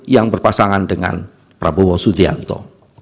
yang berpasangan dengan prabowo subianto